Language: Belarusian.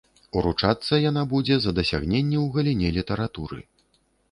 Уручацца яна будзе за дасягненні ў галіне літаратуры.